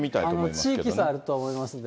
地域差あると思いますので。